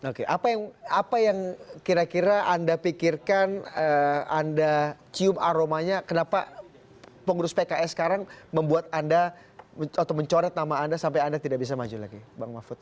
oke apa yang kira kira anda pikirkan anda cium aromanya kenapa pengurus pks sekarang membuat anda atau mencoret nama anda sampai anda tidak bisa maju lagi bang mahfud